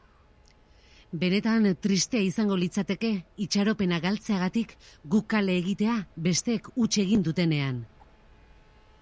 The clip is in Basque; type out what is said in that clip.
Benetan tristea izango litzateke itxaropena galtzeagatik guk kale egitea besteek huts egin dutenean.